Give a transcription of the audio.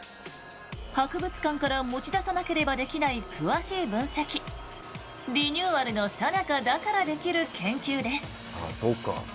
博物館から持ち出さなければできない詳しい分析リニューアルのさなかだからできる研究です。